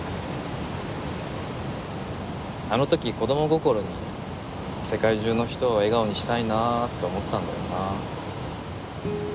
あの時子供心に世界中の人を笑顔にしたいなと思ったんだよなあ。